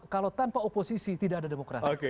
kalau tanpa oposisi tidak ada demokrasi